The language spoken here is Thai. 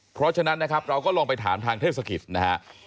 เพราะฉะนั้นเราก็ลองไปถามทางเทศกิจนะครับ